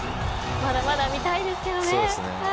まだまだ見たいですけどね。